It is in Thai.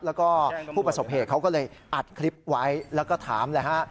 แล้วก็ผู้ประสบเหตุเขาก็เลยอัดคลิปไว้แล้วก็ถามเลยฮะ